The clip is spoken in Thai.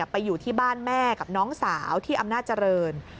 ไปอยู่ที่บ้านแม่กับน้องสาวที่อำนาจเจริญ